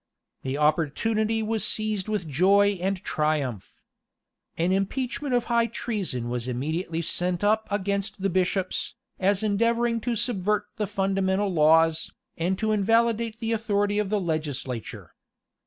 The opportunity was seized with joy and triumph. An impeachment of high treason was immediately sent up against the bishops, as endeavoring to subvert the fundamental laws, and to invalidate the authority of the legislature.